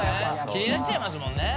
気になっちゃいますもんね。